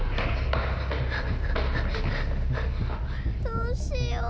どうしよう。